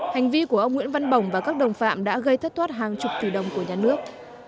hành vi của ông nguyễn văn bổng và các đồng phạm đã gây thất thoát hàng chục tỷ đồng của nhà nước